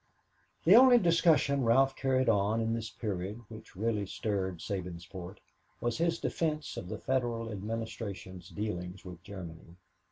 The only discussion Ralph carried on in this period which really stirred Sabinsport was his defense of the Federal Administration's dealings with Germany.